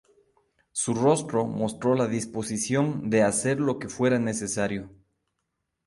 Su rostro mostró la disposición de hacer lo que fuera necesario".